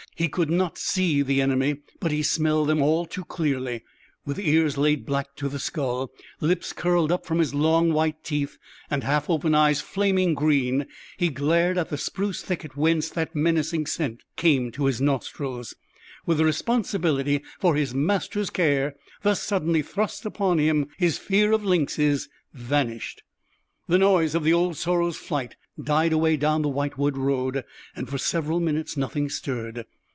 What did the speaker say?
He could not see the enemy, but he smelled them all too clearly. With ears laid flat to the skull, lips curled up from his long white teeth, and half open eyes flaming green, he glared at the spruce thicket whence that menacing scent came to his nostrils. With the responsibility for his master's care thus suddenly thrust upon him, his fear of lynxes vanished. The noise of the old sorrel's flight died away down the white wood road, and for several minutes nothing stirred.